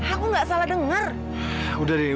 aku nggak salah dengar